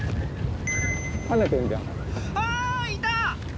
あぁいた！